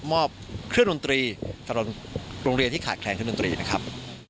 มอบเครื่องดนตรีโรงเรียนที่ขาดแคลนเครื่องดนตรีนะครับ